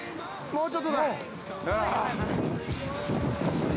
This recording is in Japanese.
もうちょっとだ。